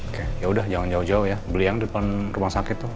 oke yaudah jangan jauh jauh ya beli yang depan rumah sakit tuh